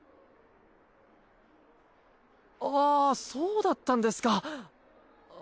あそうだったんですか。